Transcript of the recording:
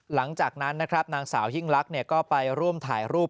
หลังจากนั้นนะครับนางสาวยิ่งลักษณ์ก็ไปร่วมถ่ายรูป